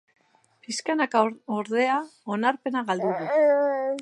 Piskanaka, ordea, onarpena galdu du.